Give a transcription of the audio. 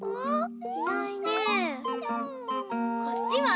こっちは？